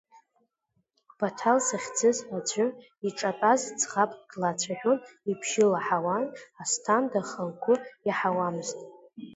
Баҭал захьӡыз аӡәы иҿатәаз ӡӷабк длацәажәон, ибжьы лаҳауан Асҭанда, аха лгәы иаҳауамызт.